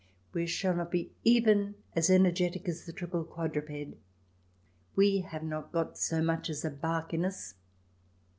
We shall not be even as energetic as the triple quadruped. We have not got so much as a bark in us.